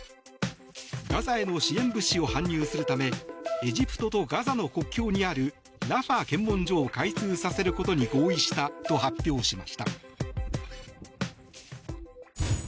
ガザへの支援物資を搬入するためエジプトとガザの国境にあるラファ検問所を開通させることに合意したと発表しました。